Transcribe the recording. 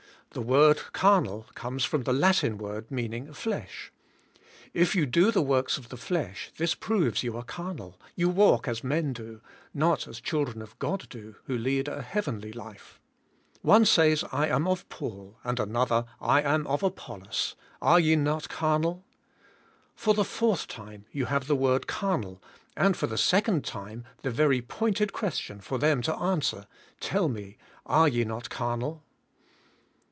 The word "car nal" comes from the Latin word meaning" "flesh." If you do the works of the flesh this proves you are carnal, j^ou v/alk as men do, not as children of God do, who lead a heavenly life. '' One says I am of Paul, and another, I am of ApoUos; are ye not carnal?" For the fourth time you have the word "carnal" a.nd for the second time the very pointed question for them to answer " Tell me, are ye not carnal?"